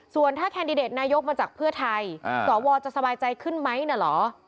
ส่วนถ้าแคนดิเดตนายกมาจากเพื่อไทยสวจะสบายใจขึ้นไหมน่ะเหรอ